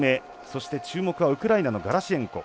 そして、注目はウクライナのガラシェンコ。